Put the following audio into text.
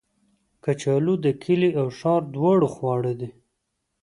کچالو د کلي او ښار دواړو خواړه دي